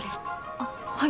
あっはい。